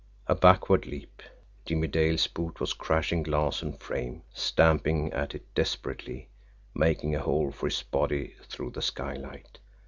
A backward leap! Jimmie Dale's boot was crashing glass and frame, stamping at it desperately, making a hole for his body through the skylight.